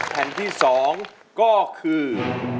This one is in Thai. แผ่นที่๒ก็คือ